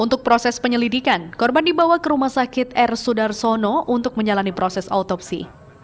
untuk proses penyelidikan korban dibawa ke rumah sakit r sudarsono untuk menjalani proses autopsi